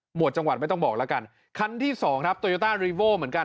วดจังหวัดไม่ต้องบอกแล้วกันคันที่สองครับโตโยต้ารีโว้เหมือนกัน